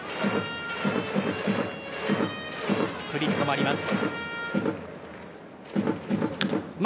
スプリットもあります。